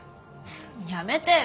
やめてよ。